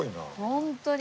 ホントに。